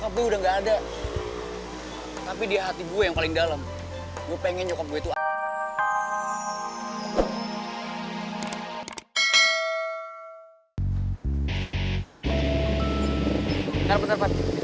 bentar bentar bentar